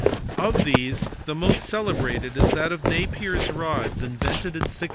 Of these the most celebrated is that of Napier s rods invented in 1617.